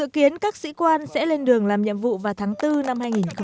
kiến các sĩ quan sẽ lên đường làm nhiệm vụ vào tháng bốn năm hai nghìn một mươi bảy